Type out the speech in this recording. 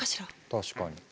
確かに。